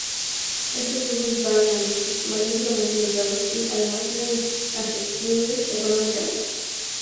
Estos libros estaban magníficamente editados y además eran asequibles económicamente.